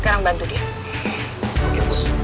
memang banyak ah